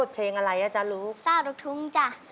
สาวลูกทุ้งจะ